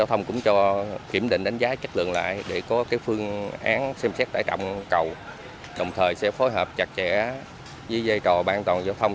thông luồn cho các phương tiện thủy trong ngày hai tháng sáu đồng thời sẽ phối hợp chặt chẽ với dây trò ban toàn giao thông